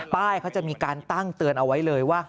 ป้ายเขาจะมีการตั้งเตือนเอาไว้เลยว่า